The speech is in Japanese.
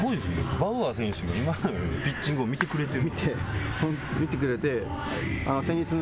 バウアー投手が今永のピッチングを見てくれてる。